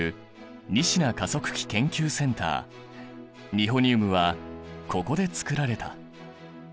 ニホニウムはここで作られた。